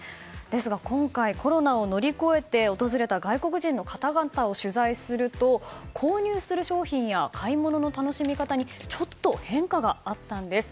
ですが今回コロナを乗り越えて訪れた外国人の方々を取材すると購入する商品や買い物の楽しみ方にちょっと変化があったんです。